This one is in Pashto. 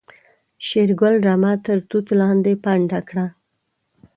شېرګل رمه تر توت لاندې پنډه کړه.